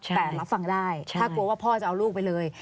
แต่รับฟังได้ถ้ากลัวว่าพ่อจะเอาลูกไปเลย